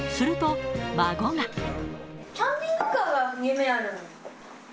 キャンピングカーが夢やのに。